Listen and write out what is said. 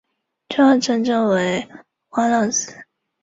全区间被指定为如下表所列的高速自动车国道路线。